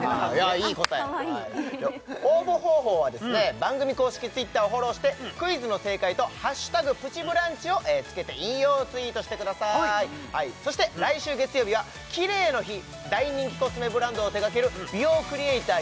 いい答えあっかわいい応募方法は番組公式Ｔｗｉｔｔｅｒをフォローしてクイズの正解と「＃プチブランチ」をつけて引用ツイートしてくださーいそして来週月曜日はキレイの日大人気コスメブランドを手がける美容クリエイター